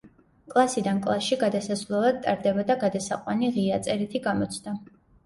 კლასიდან კლასში გადასასვლელად ტარდებოდა გადასაყვანი ღია, წერითი გამოცდა.